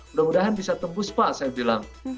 mudah mudahan bisa tembus pak saya bilang